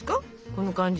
この感じ。